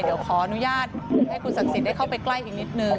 เดี๋ยวขอนุญาตให้คุณศักดิ์สิตค่อยไปใกล้นิดนึง